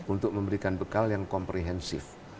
untuk memberikan bekal yang komprehensif